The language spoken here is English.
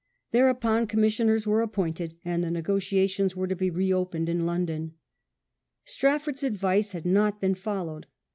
Thereon commissioners were appointed and the negotiations were to be re opened in London. Strafford's advice had not been followed.